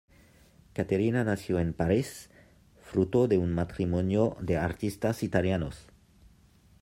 Caterina nació en París, fruto de un matrimonio de artistas italianos.